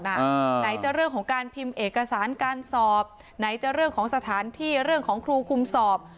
ไหนจะเรื่องของการพิมพ์เอกสารการสอบไหนจะเรื่องของสถานที่เรื่องของครูคุมสอบ